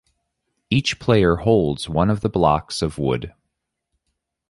Each player holds one of the blocks of wood.